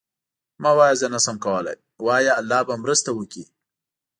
مه وایه زه نشم کولی، وایه الله به مرسته وکړي.